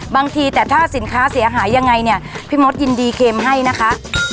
บางทีแต่ถ้าสินค้าเสียหายยังไงเนี่ยพี่มดยินดีเค็มให้นะคะ